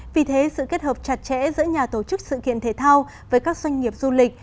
vì thế sự kết hợp chặt chẽ giữa nhà tổ chức sự kiện thể thao với các doanh nghiệp du lịch